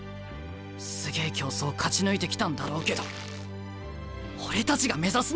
すげえ競争勝ち抜いてきたんだろうけど俺たちが目指すのはプロだろ！